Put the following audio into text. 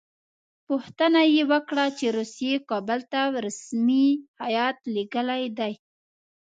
پوښتنه یې وکړه چې روسیې کابل ته رسمي هیات لېږلی دی.